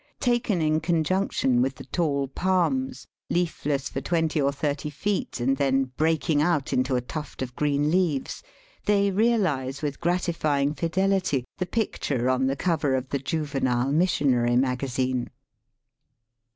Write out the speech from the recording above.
Taken in conjunction with the taU palms, leafless for twenty or thirty feet, and then breaking out into a tuft of green leaves, they realize, with gratifying fidelity, the picture on the cover of the Juvenile Missionary Maga zine.